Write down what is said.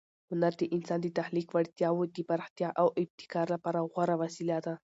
هنر د انسان د تخلیق وړتیاوو د پراختیا او ابتکار لپاره غوره وسیله ده.